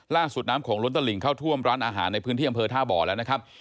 น้ำโขงล้นตะหลิงเข้าท่วมร้านอาหารในพื้นที่อำเภอท่าบ่อแล้วนะครับ